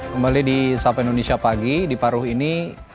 kembali di sapa indonesia pagi di paruh ini